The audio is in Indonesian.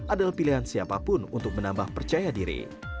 adalah pilihan siapapun untuk menambah percaya diri